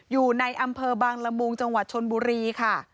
อยู่ในอำเภอบางละมุงจังหวัดชนบุรีค่ะ